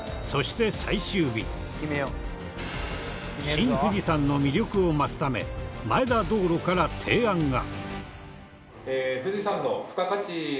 新富士山の魅力を増すため前田道路から提案が。